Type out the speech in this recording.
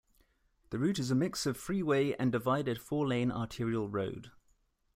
The route is a mix of freeway and divided four-lane arterial road.